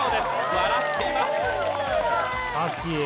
笑っています。